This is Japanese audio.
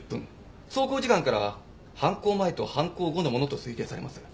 走行時間から犯行前と犯行後のものと推定されます。